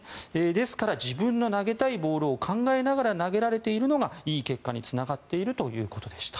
ですから自分が投げたいボールを考えながら投げているからいい結果につながっているということでした。